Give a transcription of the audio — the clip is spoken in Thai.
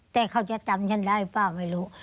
เท่าจะจำฉันได้ป่ะไม่รู้